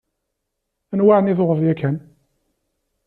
Anwa ɛni tuɣeḍ yakan?